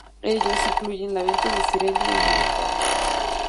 Ellos incluyen la venta de sirena en el mercado.